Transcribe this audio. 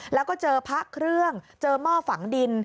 แล้วก็เจอพระเครื่องเจอหม้อฝังดิน